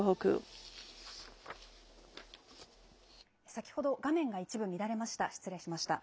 先ほど、画面が一部乱れました。